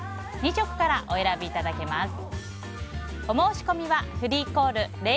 ２色からお選びいただけます。